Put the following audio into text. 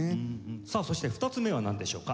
さあそして２つ目はなんでしょうか？